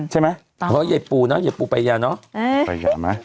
ใช่ไหมเพราะเย้ปูเนอะเย้ปูปัญญาเนอะ